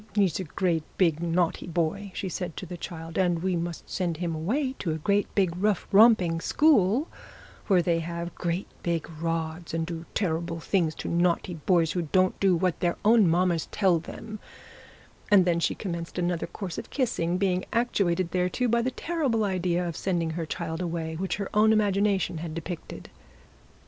'He's a great bit naughty boy,' said she to the child; 'and we must sent him away to a great big rough romping school, where they have great big rods, and do terrible things to naughty boys who don't do what their own mammas tell them;' and she then commenced another course of kissing, being actuated thereto by the terrible idea of sending her child away which her own imagination had depicted.